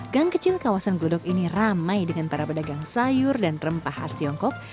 gang kecil kawasan glodok ini ramai dengan para pedagang sayur dan rempah khas tiongkok